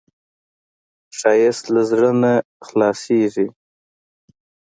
ښایست له زړه نه خلاصېږي